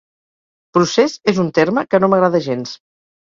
’Procés és un terme que no m’agrada gens.